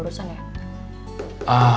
masih ada urusan ya